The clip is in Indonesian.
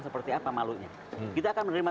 seperti apa malunya kita akan menerima